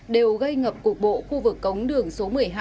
đều gây ngập cục bộ khu vực cống đường số một mươi hai